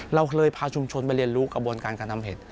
เราเคยพาชุมชนไปเรียนรู้กระบวนการการทำเห็ด